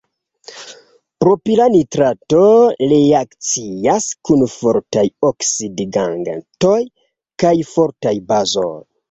Propila nitrato reakcias kun fortaj oksidigagentoj kaj fortaj bazoj.